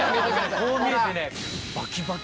こう見えてね